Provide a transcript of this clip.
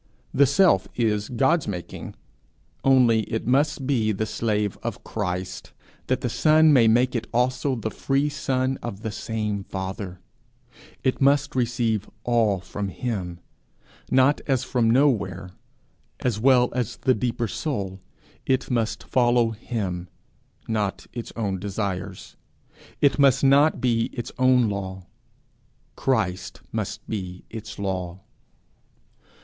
The Self is God's making only it must be the 'slave of Christ,' that the Son may make it also the free son of the same Father; it must receive all from him not as from nowhere; as well as the deeper soul, it must follow him, not its own desires. It must not be its own law; Christ must be its law.